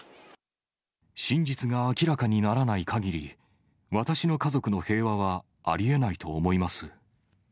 真実が明らかにならないかぎり、私の家族の平和はありえないと思います。